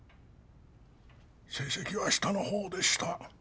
成績は下の方でした。